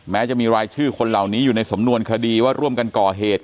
แม้จะมีรายชื่อคนเหล่านี้อยู่ในสำนวนคดีว่าร่วมกันก่อเหตุ